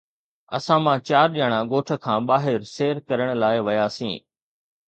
اسان مان چار ڄڻا ڳوٺ کان ٻاهر سير ڪرڻ لاءِ وياسين